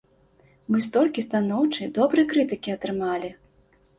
Мы столькі станоўчай, добрай крытыкі атрымалі!